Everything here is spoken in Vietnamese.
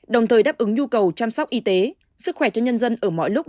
đồng thời đáp ứng nhu cầu chăm sóc y tế sức khỏe cho nhân dân ở mọi lúc